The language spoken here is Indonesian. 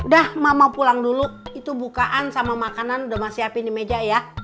udah mama pulang dulu itu bukaan sama makanan udah mas siapin di meja ya